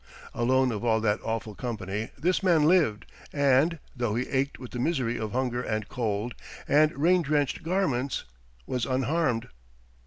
Alone of all that awful company this man lived and, though he ached with the misery of hunger and cold and rain drenched garments, was unharmed.